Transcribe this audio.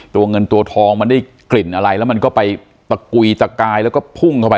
ตัวเงินตัวทองมันได้กลิ่นอะไรแล้วมันก็ไปตะกุยตะกายแล้วก็พุ่งเข้าไป